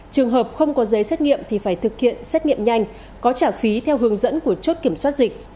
trường hợp không có giấy xét nghiệm thì phải thực hiện xét nghiệm nhanh có trả phí theo hướng dẫn của chốt kiểm soát dịch